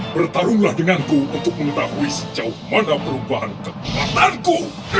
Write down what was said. bertarunglah denganku untuk mengetahui sejauh mana perubahan kekuatanku